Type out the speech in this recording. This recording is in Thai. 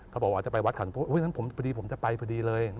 เขาบอกว่าจะไปวัดขันโพธินั้นพอดีผมจะไปพอดีเลย